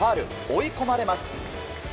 追い込まれます。